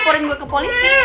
tang beau tuo